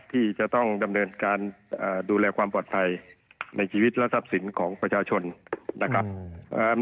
ที่จะต้องดำเนินการดูแลความปลอดภัยในชีวิตและทรัพย์สินของประชาชนนะครับ